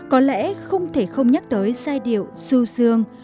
có lẽ không thể không nhắc tới giai điệu du dương